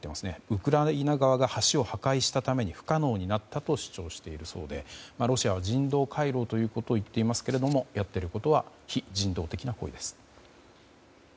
ウクライナ側が橋を破壊したために不可能になったと主張しているそうでロシアは人道回廊と言っていますがやっていることは非人道的な行為です。